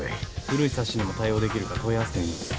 古いサッシにも対応できるか問い合わせてみます。